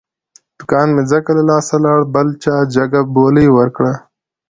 دوکان مې ځکه له لاسه لاړ، بل چا جگه بولۍ ور کړه.